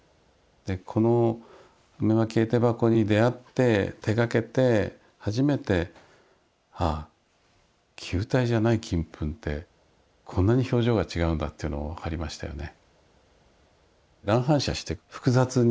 でこの「梅蒔絵手箱」に出会って手がけて初めてああ球体じゃない金粉ってこんなに表情が違うんだっていうのを分かりましたよね。